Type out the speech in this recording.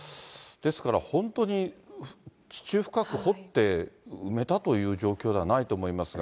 ですから本当に地中深く掘って埋めたという状況ではないと思いますが。